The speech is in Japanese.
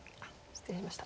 失礼しました。